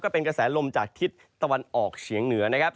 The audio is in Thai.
เป็นกระแสลมจากทิศตะวันออกเฉียงเหนือนะครับ